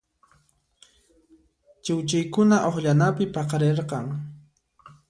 Chiwchiykuna uqllanapi paqarirqan.